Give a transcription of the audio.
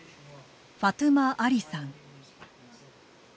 ファトゥマ・アリさん。